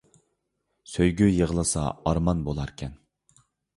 سۆيگۈ يىغلىسا ئارمان بۇلار كەن